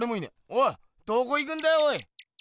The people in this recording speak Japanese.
おいどこ行くんだよおい。